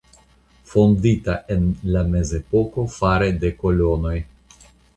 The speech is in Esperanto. Fondita en la Mezepoko fare de kolonoj.